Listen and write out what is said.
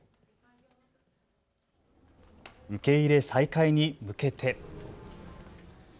受け入れ再開に向けて。